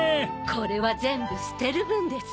これは全部捨てる分です。